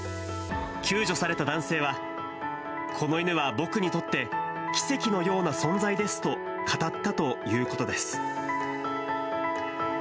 救助された男性は、この犬は僕にとって奇跡のような存在ですと語ったということです。